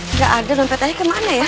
nggak ada dompetnya kemana ya